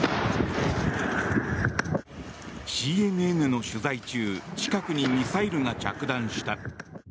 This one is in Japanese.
ＣＮＮの取材近くにミサイルが着弾した。